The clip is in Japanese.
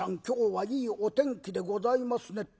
今日はいいお天気でございますね』